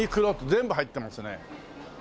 全部入ってますね。